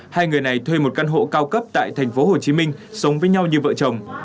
hai người này thuê một căn hộ cao cấp tại thành phố hồ chí minh sống với nhau như vợ chồng